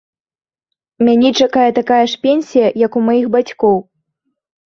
Мяне чакае такая ж пенсія, як у маіх бацькоў.